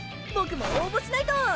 僕も応募しないと！